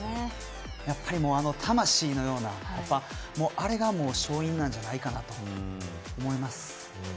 やっぱり、あの魂のようなあれが勝因なんじゃないかなと思います。